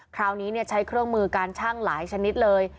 คราวนี้ใช้เครื่องมือการชั่งหลายชนิดเลย